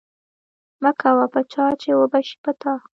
ـ مه کوه په چا ،چې وبشي په تا.